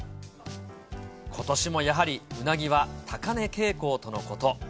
ことしもやはりうなぎは高値傾向とのこと。